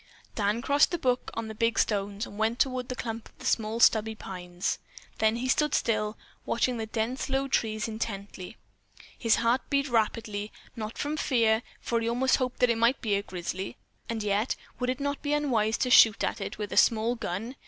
Dan crossed the brook on the big stones and went toward the clump of small stubby pines. Then he stood still, watching the dense low trees intently. His heart beat rapidly, not from fear, for he almost hoped that it might be a grizzly, and yet, would it not be unwise to shoot at it with a small gun?